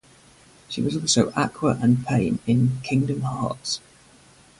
She was also Aqua and Paine in "Kingdom Hearts".